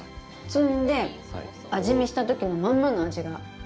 摘んで、味見したときのまんまの味が。